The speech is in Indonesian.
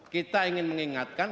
kita ingin mengingatkan